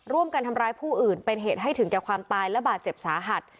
ร่วมกันทำร้ายผู้อื่นเป็นเหตุให้ถึงแก่ความตายและบาดเจ็บสาหัส